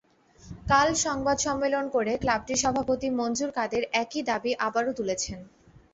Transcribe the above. কাল সংবাদ সম্মেলন করে ক্লাবটির সভাপতি মনজুর কাদের একই দাবি আবারও তুলেছেন।